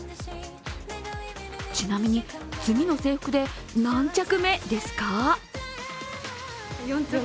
ちなみに、次の制服で何着目ですか？